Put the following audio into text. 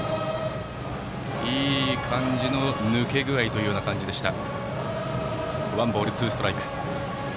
いい感じの抜け具合という感じでした。